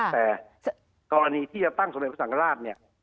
แต่กรณีที่จะตั้งสมเด็จพระสังฆราชเนี่ย